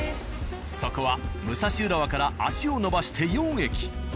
そこは武蔵浦和から足を延ばして４駅